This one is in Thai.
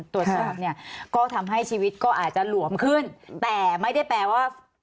ตรวจสอบเนี่ยก็ทำให้ชีวิตก็อาจจะหลวมขึ้นแต่ไม่ได้แปลว่า